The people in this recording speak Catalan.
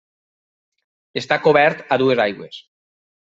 Està cobert a dues aigües.